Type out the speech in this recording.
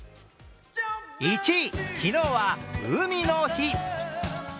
１位、昨日は海の日。